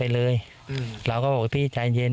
เราก็บอกว่าพี่ใจเย็น